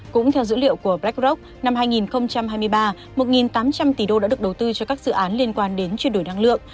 cũng theo dữ liệu của blackrock năm hai nghìn hai mươi ba một tám trăm linh tỷ đô đã được đầu tư cho các dự án liên quan đến chuyển đổi năng lượng